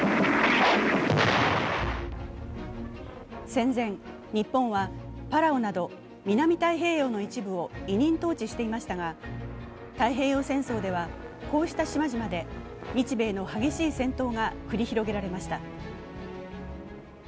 戦前、日本はパラオなど南太平洋の一部を委任統治していましたが太平洋戦争では、こうした島々で日米の激しい戦闘が繰り広げられました。